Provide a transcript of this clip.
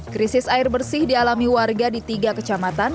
krisis air bersih dialami warga di tiga kecamatan